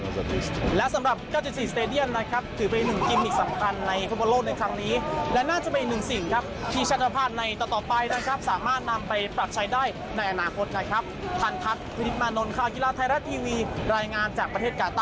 กีฬาทไทยรัททีวีรายงานจากประเทศกาต้าครับ